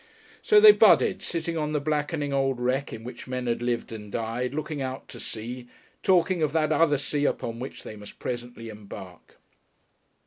So they budded, sitting on the blackening old wreck in which men had lived and died, looking out to sea, talking of that other sea upon which they must presently embark....